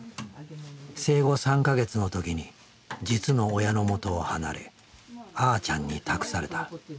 生後３か月の時に実の親のもとを離れあーちゃんに託された。